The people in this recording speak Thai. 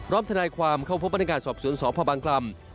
ร้อมทนายความเข้าพบพนักงานสอบศูนย์สอบพระบางกล่ำ